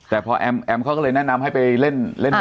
แต่พอแอมแอมเขาก็เลยแนะนำให้ไปเล่น